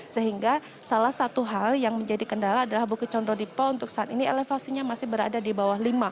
sehingga salah satu hal yang menjadi kendala adalah bukit condro dipo untuk saat ini elevasinya masih berada di bawah lima